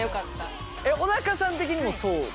小高さん的にもそうですか？